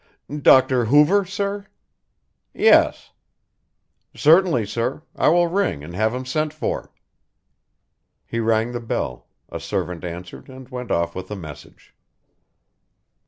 "Dr. Hoover, sir?" "Yes." "Certainly, sir, I will ring and have him sent for." He rang the bell, a servant answered and went off with the message.